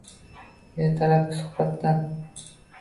Ertalabki suhbatdan